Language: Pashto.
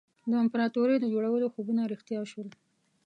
د امپراطوري د جوړولو خوبونه رښتیا شول.